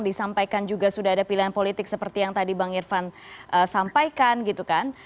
disampaikan juga sudah ada pilihan politik seperti yang tadi bang irfan sampaikan gitu kan